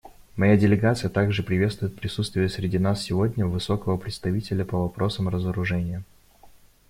Моя делегация также приветствует присутствие среди нас сегодня Высокого представителя по вопросам разоружения.